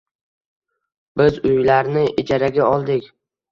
Biz uylarni ijaraga oldik.